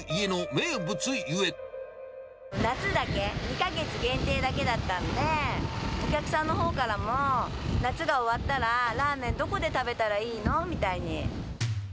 夏だけ、２か月限定だけだったんで、お客さんのほうからも、夏が終わったら、ラーメン、どこで食べたらいいの？みたいに。